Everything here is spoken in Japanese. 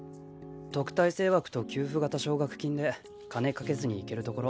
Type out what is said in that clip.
特待生枠と給付型奨学金で金かけずに行けるところ。